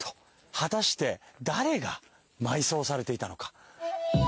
果たして誰が埋葬されていたのか。